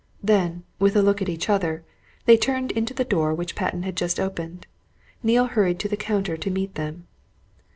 Then, with a look at each other, they turned into the door which Patten had just opened. Neale hurried to the counter to meet them.